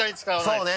そうね。